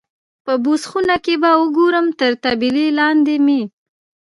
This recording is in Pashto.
په بوس خونه کې به وګورم، تر طبیلې لاندې مې.